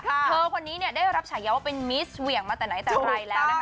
เธอคนนี้เนี่ยได้รับฉายาว่าเป็นมิสเหวี่ยงมาแต่ไหนแต่ไรแล้วนะคะ